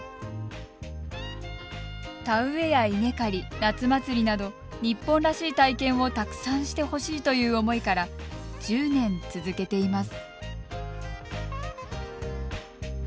田植えや稲刈り、夏祭りなど日本らしい体験をたくさんしてほしいという思いから１０年続けています。